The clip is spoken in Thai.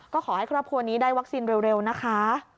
ก็ขอให้ครอบครัวนี้ได้วัคซีนเร็วนะคะ